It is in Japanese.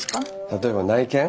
例えば内見。